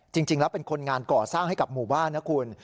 จริงแล้วเป็นคนงานก่อสร้างให้กับหมู่บ้านนะคุณ